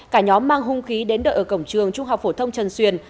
cả nhóm mang hung khí đến đợi ở cổng trường trung học phổ thông trần xuyền